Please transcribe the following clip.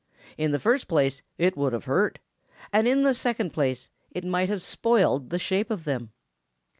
In the first place it would have hurt, and in the second place it might have spoiled the shape of them.